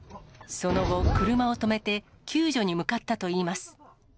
その後、車を止めて救助に向かったといいます。